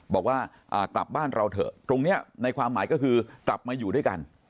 บอกว่ากลับบ้านเราเถอะตรงนี้ในความหมายก็คือกลับมาอยู่ด้วยกัน